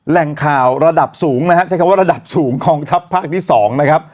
แหล่งข่าวระดับสูงนะฮะใช้คำว่าระดับสูงกองทัพภาคที่๒นะครับ